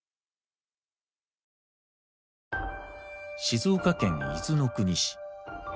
静岡県伊豆の国市。